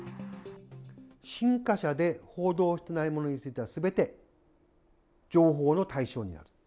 新華社で報道していないものについては、すべて情報の対象になると。